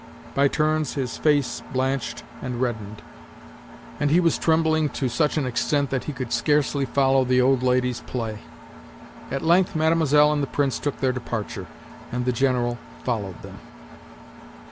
By turns his face blanched and reddened, and he was trembling to such an extent that he could scarcely follow the old lady's play. At length Mlle. and the Prince took their departure, and the General followed them.